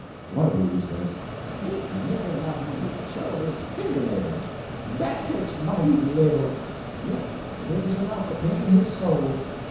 One of these was, "Ain't nigger enough in him to show in his finger nails, en dat takes mighty little yit dey's enough to paint his soul."